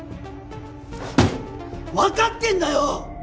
わかってんだよ！